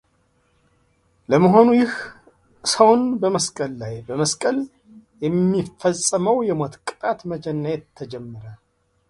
ለመሆኑ ይህ ሰውን በመስቀል ላይ በመስቀል የሚፈጸመው የሞት ቅጣት መቼ እና የት ተጀመረ?